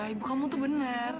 ibu kamu tuh bener